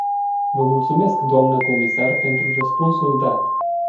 Vă mulțumesc, doamnă comisar, pentru răspunsul dat.